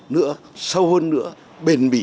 nữa sâu hơn nữa bền bỉ